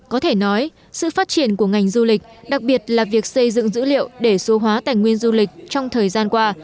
có thể nói sự phát triển của ngành du lịch đặc biệt là việc xây dựng dữ liệu để số hóa tài nguyên du lịch trong thời gian qua